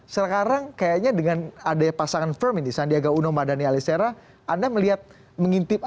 sekarang kayaknya dengan adanya pasangan firm ini sandiaga uno mardani alisera anda melihat mengintip